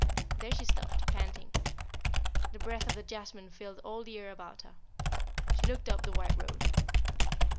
There she stopped, panting. The breath of the jasmine filled all the air about her. She looked up the white road.